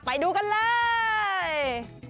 ไปดูกันเลย